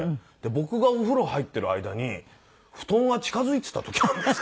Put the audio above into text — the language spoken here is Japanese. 僕がお風呂入ってる間に布団が近づいてた時あるんですよ。